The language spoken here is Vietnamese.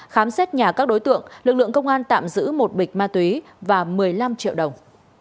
khám xét nhà các đối tượng lực lượng công an tạm giữ một bịch ma túy và một mươi năm triệu đồng